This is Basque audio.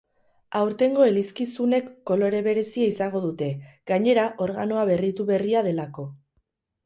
Aurtengo elizkizunek kolore berezia izango dute, gainera, organoa berritu berria delako.